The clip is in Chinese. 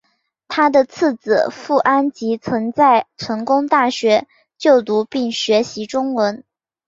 他的次子傅吉安曾在成功大学就读并学习中文。